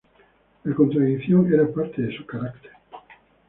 La contradicción era parte de su carácter.